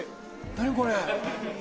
何これ？